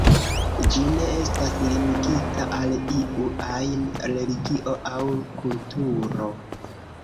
Ĝi ne estas limigita al iu ajn religio aŭ kulturo.